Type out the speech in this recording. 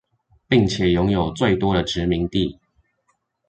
並且擁有最多的殖民地